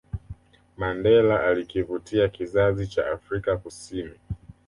Mandela alikivutia kizazi cha Afrika Kusini